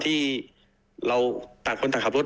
เปิดกระจกมาด่าเฉยเลยก็เลยต้องด่าคืน